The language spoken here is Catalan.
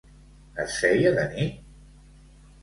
Es feia de nit?